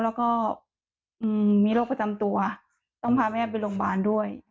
แล้วก็มีโรคประจำตัวต้องพาแม่ไปโรงพยาบาลด้วย